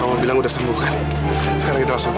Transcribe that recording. aku mau bilang udah sembuh kan sekarang kita harus pulang ya